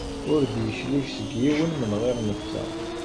Ur d-yeclig seg yiwen menɣir netta.